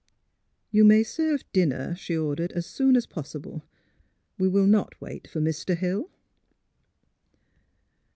" You may serve dinner," she ordered, *' as soon as possible. We will not wait for Mr. Hill."